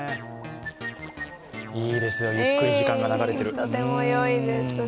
いいですよ、ゆっくり時間が流れてる。